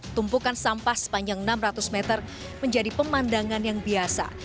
tumpukan sampah sepanjang enam ratus meter menjadi pemandangan yang biasa